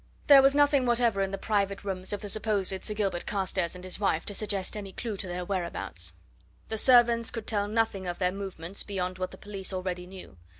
There was nothing whatever in the private rooms of the supposed Sir Gilbert Carstairs and his wife to suggest any clue to their whereabouts: the servants could tell nothing of their movements beyond what the police already knew.